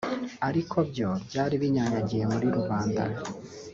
ariko byo byari binyanyagiye muri rubanda